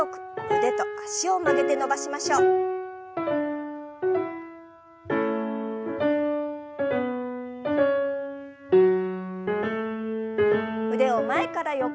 腕を前から横へ。